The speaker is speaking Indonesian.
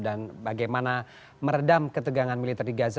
dan bagaimana meredam ketegangan militer di gaza